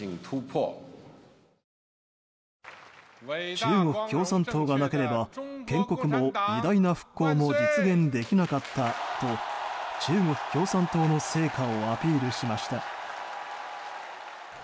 中国共産党がなければ建国も、偉大な復興も実現できなかったと中国共産党の成果をアピールしました。